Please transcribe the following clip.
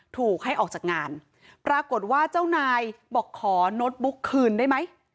ถูกให้ออกจากงานปรากฏว่าเจ้านายบอกขอโน้ตบุ๊กคืนได้ไหม